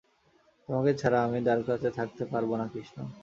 তোমাকে ছাড়া আমি দ্বারকাতে থাকতে পারব না, কৃষ্ণ!